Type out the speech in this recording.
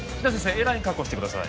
Ａライン確保してください